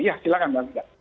ya silakan mbak brida